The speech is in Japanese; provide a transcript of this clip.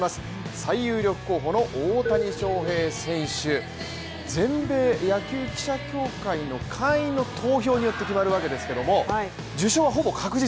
最有力候補の大谷翔平選手、全米野球記者協会の会員の投票によって決まるわけですけども、受賞はほぼ確実。